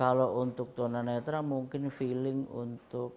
kalau untuk tuna netra mungkin feeling untuk